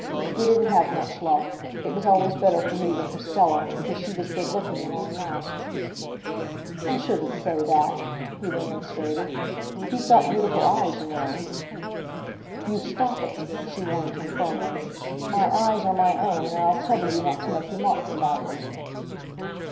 We didn't have much luck. It was always better for me than for Stella, because she was good looking, and I'm not." "I shouldn't say that," he remonstrated. "You've got beautiful eyes, you know." "You stop it!" she warned him firmly. "My eyes are my own, and I'll trouble you not to make remarks about them."